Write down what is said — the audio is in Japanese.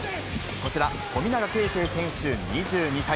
こちら、富永啓生選手２２歳。